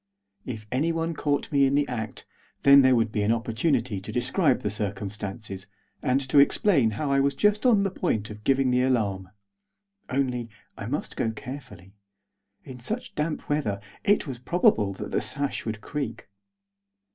If anyone caught me in the act, then there would be an opportunity to describe the circumstances, and to explain how I was just on the point of giving the alarm. Only, I must go carefully. In such damp weather it was probable that the sash would creak.